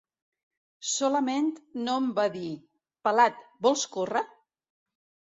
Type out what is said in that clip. Solament no em va dir: —Pelat, vols córrer?